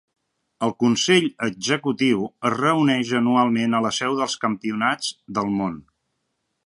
El Consell executiu es reuneix anualment a la seu dels Campionats del món.